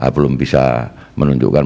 belum bisa menunjukkan